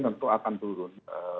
tentu akan turun